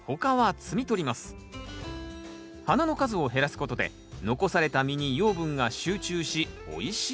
花の数を減らすことで残された実に養分が集中しおいしい